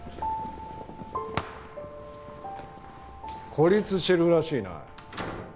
孤立してるらしいな。